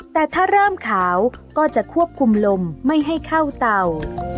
แต่ถ้าเริ่มขาวก็จะควบคุมลมไม่ให้เข้าเตา